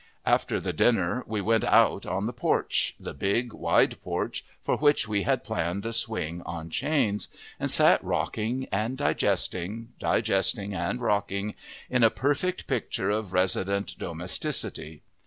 After the dinner we went out on the porch the big, wide porch for which we had planned a swing on chains, and sat rocking and digesting, digesting and rocking, in a perfect picture of resident domesticity.